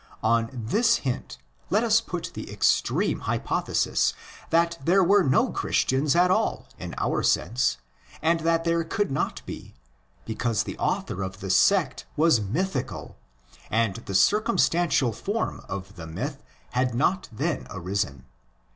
On this hint let us put the extreme hypothesis that there were no Christians at all in our sense; and that there could not be, because the author of the sect was mythical, and the circumstantial form of the myth had not then arisen.